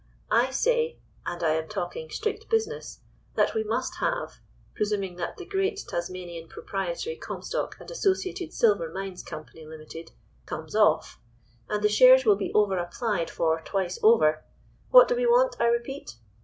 I say—and I am talking strict business—that we must have, presuming that the 'Great Tasmanian Proprietary Comstock and Associated Silver Mines Company, Limited,' comes off, and the shares will be over applied for twice over—what do we want, I repeat?